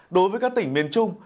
đối với các tỉnh miền trung